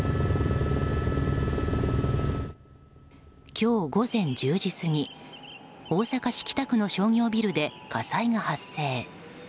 今日午前１０時過ぎ大阪市北区の商業ビルで火災が発生。